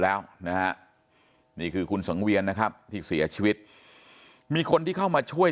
แล้วนะฮะนี่คือคุณสังเวียนนะครับที่เสียชีวิตมีคนที่เข้ามาช่วย